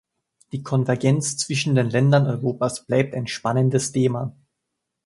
Die Konvergenz zwischen den Ländern Europas bleibt ein spannendes Thema.